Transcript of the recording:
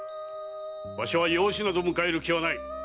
わしは養子など迎える気はない。